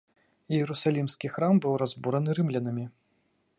Іерусалімскі храм быў разбураны рымлянамі.